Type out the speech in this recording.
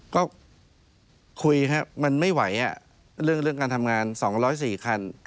ก็คุยครับมันไม่ไหวอ่ะเรื่องเรื่องการทำงานสองร้อยสี่คัน